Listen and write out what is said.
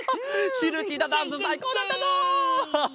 シルチータダンスさいこうだったぞ！